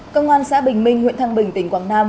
công an xã bình minh huyện thăng bình tỉnh quảng nam